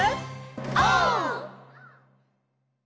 オー！